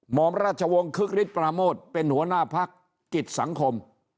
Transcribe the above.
อมราชวงศ์คึกฤทธปราโมทเป็นหัวหน้าพักกิจสังคม